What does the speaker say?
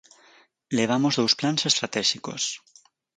Levamos dous plans estratéxicos.